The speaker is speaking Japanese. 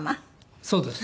そうです。